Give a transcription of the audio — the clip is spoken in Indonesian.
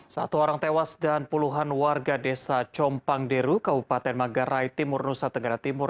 satu orang tewas dan puluhan warga desa compang deru kabupaten magarai timur nusa tenggara timur